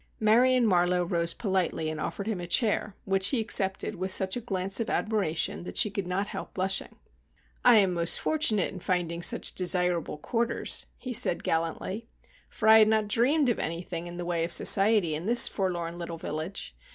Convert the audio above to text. Marion Marlowe rose politely, and offered him a chair, which he accepted with such a glance of admiration that she could not help blushing. "I am most fortunate in finding such desirable quarters," he said gallantly, "for I had not dreamed of anything in the way of society in this forlorn little village.